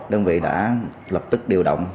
đơn vị đã lập tức điều động